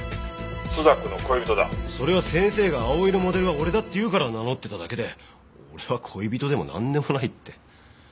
それは先生が葵のモデルは俺だって言うから名乗ってただけで俺は恋人でもなんでもないって。